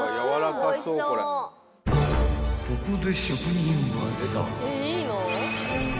［ここで］